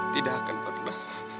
tidak akan berhenti